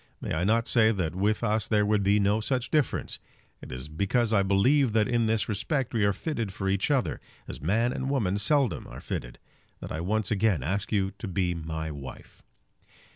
May I not say that with us there would be no such difference? It is because I believe that in this respect we are fitted for each other, as man and woman seldom are fitted, that I once again ask you to be my wife.